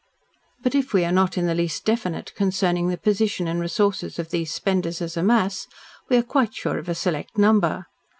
But, if we are not in the least definite concerning the position and resources of these spenders as a mass, we are quite sure of a select number.